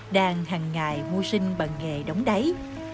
đang hàng ngày mua sinh bằng nghề đóng đáy